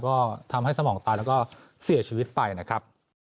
ก็ทำให้สมองตายแล้วก็เสียชีวิตไปนะครับ